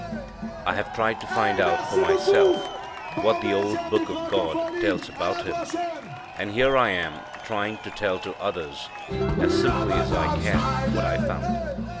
I have tried to find out for myself what the old Book of God tells about Him. And here I am trying to tell to others, as simply as I can, what I found.